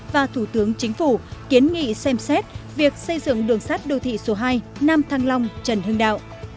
và thủ tướng chính phủ kiến nghị xem xét việc xây dựng đường sắt đô thị số hai nam thăng long trần hưng đạo